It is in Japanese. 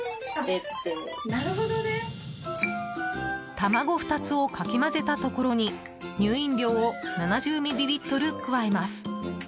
卵２つをかき混ぜたところに乳飲料を７０ミリリットル加えます。